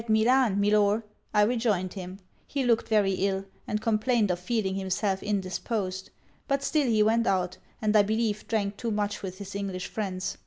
'At Milan, Milor, I rejoined him. He looked very ill; and complained of feeling himself indisposed. But still he went out; and I believe drank too much with his English friends.